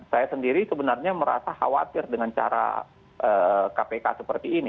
saya sendiri sebenarnya merasa khawatir dengan cara kpk seperti ini